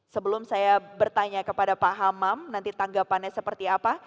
sebelum saya bertanya kepada pak hamam nanti tanggapannya seperti apa